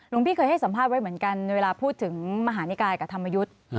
พี่เคยให้สัมภาษณ์ไว้เหมือนกันเวลาพูดถึงมหานิกายกับธรรมยุทธ์